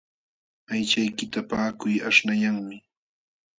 Aychaykita paqakuy aśhnayanmi.